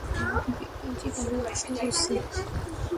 আমার বিবেক আমাকে বারবার প্রশ্ন করছে।